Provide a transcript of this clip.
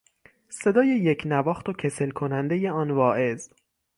صدای یکنواخت و کسل کنندهی آن واعظ